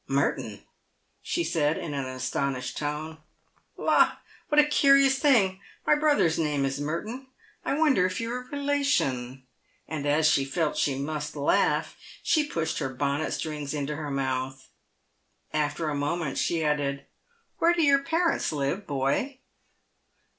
" Merton !" she said, in an astonished tone ;" la ! what a curious thing ! my brother's name is Merton. I wonder if you're a rela tion ?" and as she felt she must laugh, she pushed her bonnet strings into her mouth. After a moment, she added: "Where do your parents live, boy?"